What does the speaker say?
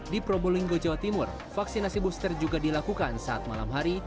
di probolinggo jawa timur vaksinasi booster juga dilakukan saat malam hari